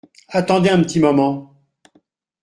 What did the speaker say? Attendez un petit moment !